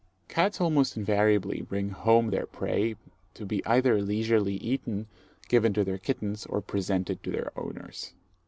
Cats almost invariably bring home their prey to be either leisurely eaten, given to their kittens, or presented to their owners.